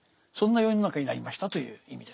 そんな世の中になりましたという意味ですね。